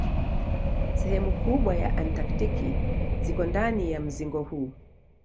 Sehemu kubwa ya Antaktiki ziko ndani ya mzingo huu.